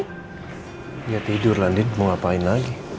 gak tidur andin mau ngapain lagi